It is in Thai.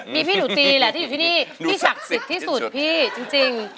มีพี่หนูตีแหละที่อยู่ที่นี่ที่ศักดิ์สิทธิ์ที่สุดพี่จริง